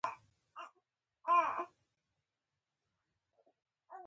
ډاکټر صېب زما پریز څه دی څه شی نه راباندي لویږي؟